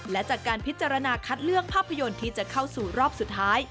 และจากการพิจารณาคัดเลือกภาพยนตร์ที่จะเข้าสู่รอบสุดท้าย